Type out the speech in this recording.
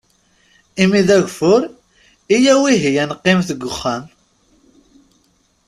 Imi d agfur, iyyaw ihi ad neqqimet deg uxxam.